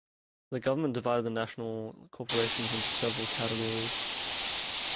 The government divided the national-level corporations into several categories.